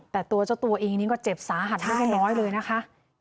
แต่ตัวเจ้าตัวเองนี้ก็เจ็บสาหัสเล็กน้อยเลยนะคะ